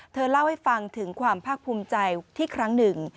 เธอเล่าให้ฟังถึงความภาคภูมิใจที่ครั้งหนึ่ง